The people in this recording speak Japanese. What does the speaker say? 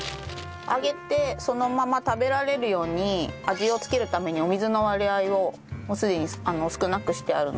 揚げてそのまま食べられるように味を付けるためにお水の割合をすでに少なくしてあるので。